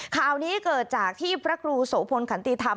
ข่าวนี้เกิดจากที่พระครูโสพลขันติธรรม